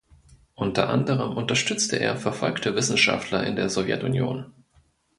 Unter anderem unterstützte er verfolgte Wissenschaftler in der Sowjetunion.